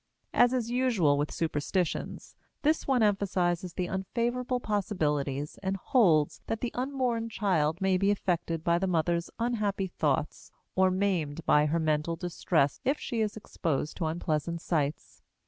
As is usual with superstitions, this one emphasizes the unfavorable possibilities and holds that the unborn child may be affected by the mother's unhappy thoughts or maimed by her mental distress if she is exposed to unpleasant sights.